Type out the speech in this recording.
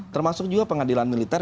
termasuk juga pengadilan militer